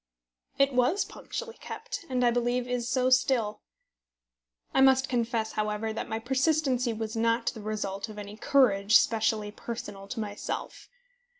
It was punctually kept, and, I believe, is so still. I must confess, however, that my persistency was not the result of any courage specially personal to myself.